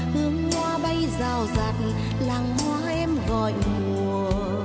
hương hoa bay rào rạt làng hoa em gọi mùa